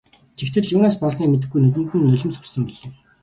Тэгтэл юунаас болсныг мэдэхгүй нүдэнд нь нулимс хурсан билээ.